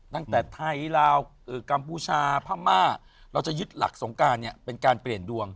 ตั้งแต่ไทยลาวกัมพูชาพม่าเราจะยึดหลักสงการเนี่ยเป็นการเปลี่ยนดวง